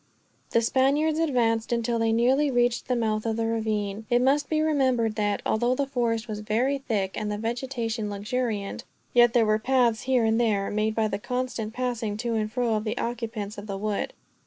The Spaniards advanced until they nearly reached the mouth of the ravine. It must be remembered that, although the forest was very thick, and the vegetation luxuriant; yet there were paths here and there, made by the constant passing, to and fro, of the occupants of the wood.